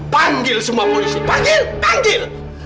panggil semua polisi panggil